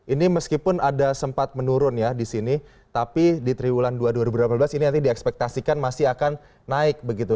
ini meskipun ada sempat menurun ya di sini tapi di triwulan dua dua ribu delapan belas ini nanti diekspektasikan masih akan naik begitu